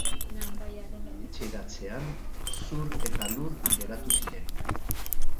Etxeratzean, zur eta lur geratu ziren.